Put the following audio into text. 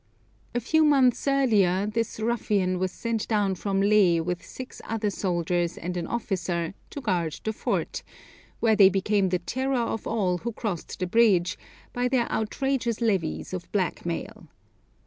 A few months earlier, this ruffian was sent down from Leh with six other soldiers and an officer to guard the fort, where they became the terror of all who crossed the bridge by their outrageous levies of blackmail.